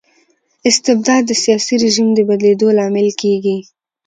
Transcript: استبداد د سياسي رژيم د بدلیدو لامل کيږي.